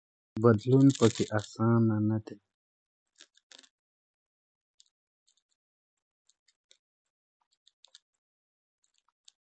بدلون پکې اسانه نه دی.